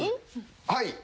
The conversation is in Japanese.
はい。